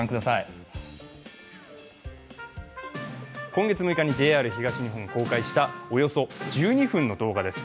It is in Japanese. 今月６日にＪＲ東日本が公開したおよそ１２分の動画です。